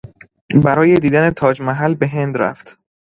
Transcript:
برای دیدن تاج محل به هند رفت.